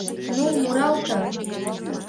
Ну, муралте!